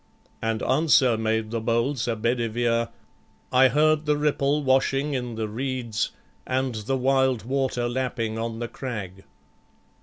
And answer made the bold Sir Bedivere: "I heard the ripple washing in the reeds, And the wild water lapping on the crag."